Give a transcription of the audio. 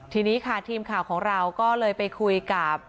ทีนี้ค่ะทีมข่าวของเราก็เลยไปคุยกับ